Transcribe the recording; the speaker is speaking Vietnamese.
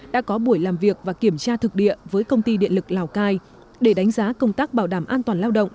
đã có buổi làm việc và kiểm tra thực địa với công ty điện lực lào cai để đánh giá công tác bảo đảm an toàn lao động